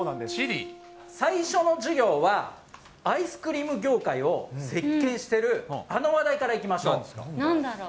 最初の授業はアイスクリーム業界を席けんしている、あの話題からなんだろう？